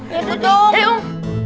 ya udah dong